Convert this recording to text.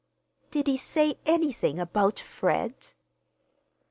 "Did he say anything about—Fred?"